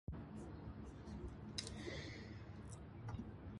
He also revealed he planned to tour Europe to promote his album "Head Job".